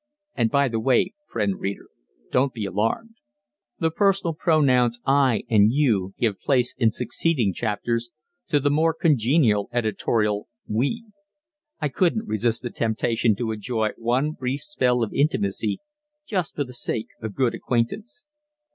And, by the way, Friend Reader, don't be alarmed. The personal pronouns "I" and "you" give place in succeeding chapters to the more congenial editorial "we." I couldn't resist the temptation to enjoy one brief spell of intimacy just for the sake of good acquaintance.